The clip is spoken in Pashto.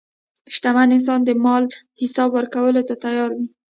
شتمن انسان د مال حساب ورکولو ته تیار وي.